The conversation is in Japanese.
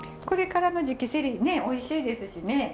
これからの時期セリねおいしいですしね。